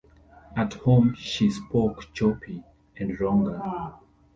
At home she spoke Chopi and Ronga.